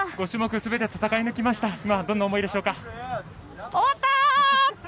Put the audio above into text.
５種目すべて戦い抜きました。